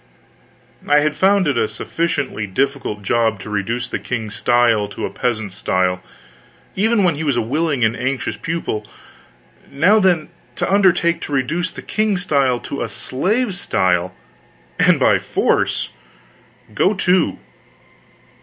I had found it a sufficiently difficult job to reduce the king's style to a peasant's style, even when he was a willing and anxious pupil; now then, to undertake to reduce the king's style to a slave's style and by force go to!